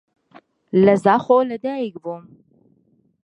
لە زاخۆ لەدایک بووم.